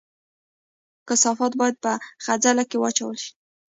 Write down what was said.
کثافات باید په خځلۍ کې واچول شي